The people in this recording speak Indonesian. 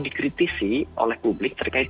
dikritisi oleh publik terkait